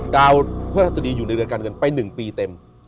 ดาวพระราชดีอยู่ในเรือนการเงินไป๑ปีเต็ม